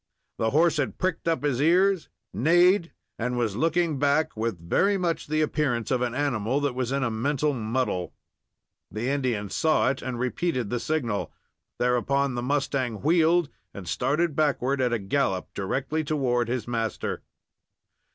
The horse had pricked up his ears, neighed, and was looking back, with very much the appearance of an animal that was in a mental muddle. The Indian saw it, and repeated the signal. Thereupon the mustang wheeled and started backward at a gallop, directly toward his master.